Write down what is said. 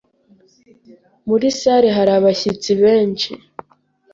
Muri salle hari abashyitsi benshi